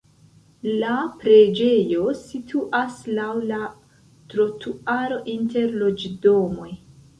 La preĝejo situas laŭ la trotuaro inter loĝdomoj.